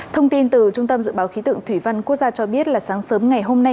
thông tin từ trung tâm dự báo khí tượng thủy văn quốc gia cho biết là sáng sớm ngày hôm nay